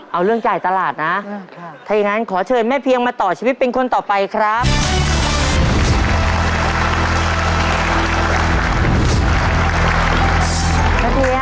เอาเรื่องจ่ายตลาดนะถ้าอย่างนั้นขอเชิญแม่เพียงมาต่อชีวิตเป็นคนต่อไปครับ